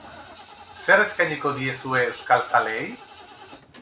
Zer eskainiko diezue euskal zaleei?